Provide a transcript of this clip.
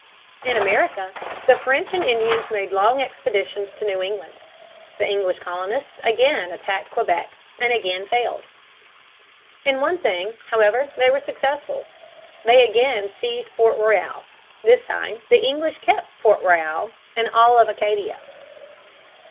In America the French and Indians made long expeditions to New England. The English colonists again attacked Quebec and again failed. In one thing, however, they were successful. They again seized Port Royal. This time the English kept Port Royal and all Acadia.